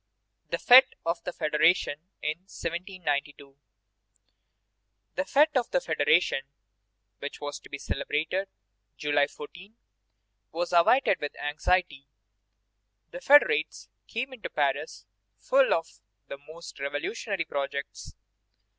THE FÉTE OF THE FEDERATION IN 1792. The fête of the Federation, which was to be celebrated July 14, was awaited with anxiety. The federates came into Paris full of the most revolutionary projects.